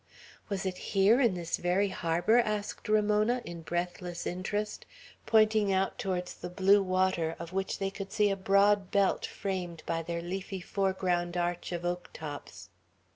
"Was it here, in this very harbor?" asked Ramona, in breathless interest, pointing out towards the blue water of which they could see a broad belt framed by their leafy foreground arch of oak tops.